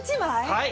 はい。